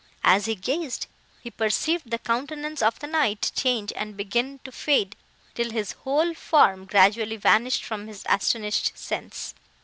As he gazed, he perceived the countenance of the Knight change, and begin to fade, till his whole form gradually vanished from his astonished sense!